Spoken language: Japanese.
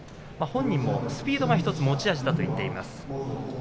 本人もスピードが１つ持ち味だと言っています。